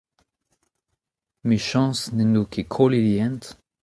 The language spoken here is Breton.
Emichañs n'en do ket kollet e hent !